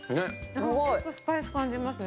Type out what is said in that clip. ちょっとスパイス感じますね。